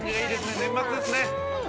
年末ですね。